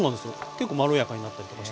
結構まろやかになったりとかして。